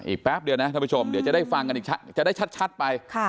แป๊บเดียวนะท่านผู้ชมเดี๋ยวจะได้ฟังกันจะได้ชัดไป